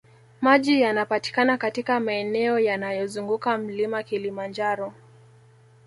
Maji yanapatikana katika maeneo yanayozunguka mlima kilimanjaro